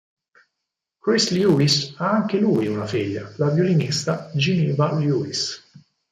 Chris Lewis ha anche lui una figlia, la violinista Geneva Lewis.